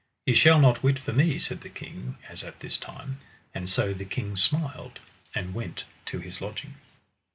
Ye shall not wit for me, said the king, as at this time. And so the king smiled, and went to his lodging.